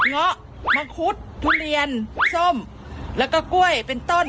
เงาะมังคุดทุเรียนส้มแล้วก็กล้วยเป็นต้น